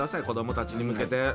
子どもたちに向けて。